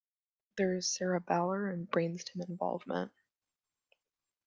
There is cereballar and brainstem involvement.